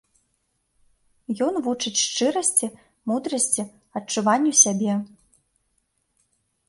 Ён вучыць шчырасці, мудрасці, адчуванню сябе.